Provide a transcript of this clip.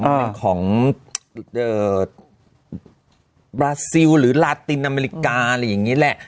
เรื่องของบราซิลหรือลาตินอเมริกาอะไรอย่างนี้แหละ